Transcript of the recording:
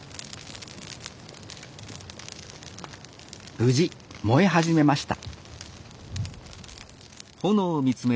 無事燃え始めました